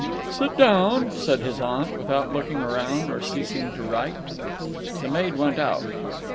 "Sit down," said his aunt, without looking round or ceasing to write. The maid went out.